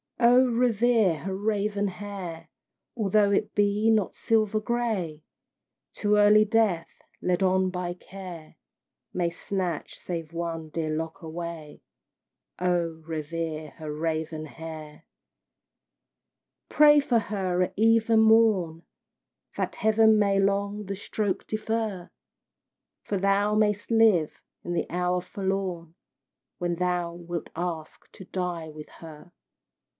Oh, revere her raven hair! Although it be not silver gray; Too early Death, led on by Care, May snatch save one dear lock away. Oh, revere her raven hair! Pray for her at eve and morn, That Heaven may long the stroke defer, For thou mayst live the hour forlorn When thou wilt ask to die with her.